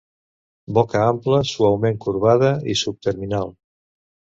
Boca ampla, suaument corbada i subterminal.